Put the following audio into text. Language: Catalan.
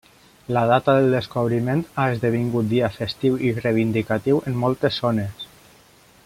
La data del descobriment ha esdevingut dia festiu i reivindicatiu en moltes zones.